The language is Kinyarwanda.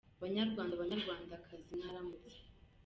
banyarwanda banyarwandakazi mwaramutse